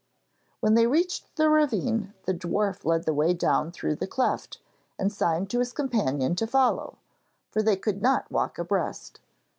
When they reached the ravine, the dwarf led the way through the cleft and signed to his companion to follow, for they could not walk abreast.